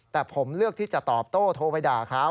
แต่ผมเลือกที่จะตอบโต้โทรไปด่าเขา